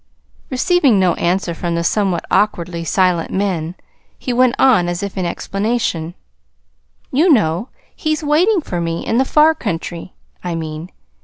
Receiving no answer from the somewhat awkwardly silent men, he went on, as if in explanation: "You know he's waiting for me in the far country, I mean.